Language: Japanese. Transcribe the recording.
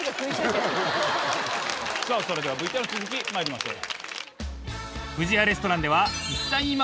さぁそれではＶＴＲの続きまいりましょう。